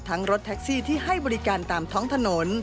รถแท็กซี่ที่ให้บริการตามท้องถนน